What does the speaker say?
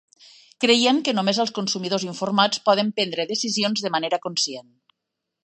Creiem que només els consumidors informats poden prendre decisions de manera conscient.